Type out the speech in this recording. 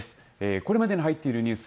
これまでに入っているニュース